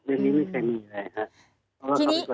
เรื่องนี้ไม่เคยมีอะไรครับ